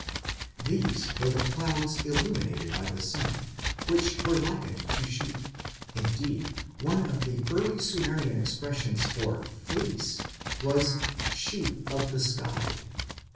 These were the clouds illuminated by the sun, which were likened to sheep indeed, one of the early Sumerian expressions for 'fleece' was 'sheep of the sky'.